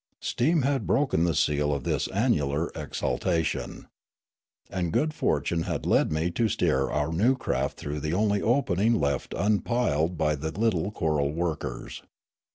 Steam had broken the seal of this annular exhalation. And good fortune had led me to steer our new craft through the only opening left un piled by the little coral workers.